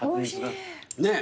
ねえ。